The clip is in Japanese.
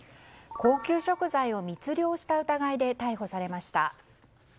高級食材を密漁した疑いで逮捕されました。